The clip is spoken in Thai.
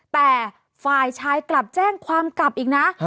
แต่ฝ่ายชายกลับแจ้งความกลับอีกนะ